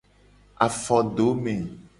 Afodome.